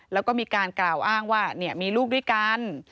แล้วก็มีการกล่าวอ้างว่ามีลูกด้วยกัน